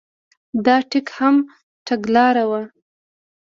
دا ټیک هغه تګلاره وه.